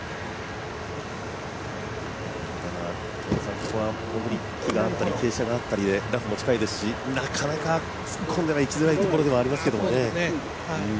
ここは木があったり、傾斜があったりでラフも近いですしなかなか突っ込んでは行きづらいところでありますよね。